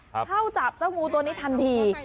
เข้าจับเจ้างูตัวนี้ทันที